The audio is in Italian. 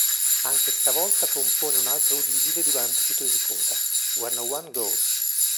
Anche stavolta compone un'altra udibile durante i titoli di coda, "Where No One Goes".